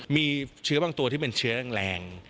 มีเชื้อบางตัวที่เป็นเชื้อแรง